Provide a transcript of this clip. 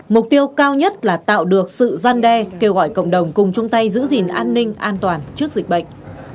mục tiêu cao nhất là tạo được sự gian đe kêu gọi cộng đồng cùng chung tay giữ gìn an ninh an toàn trước dịch bệnh